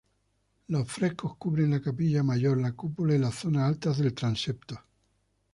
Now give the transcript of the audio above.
Los frescos cubren la capilla mayor, la cúpula y las zonas altas del transepto.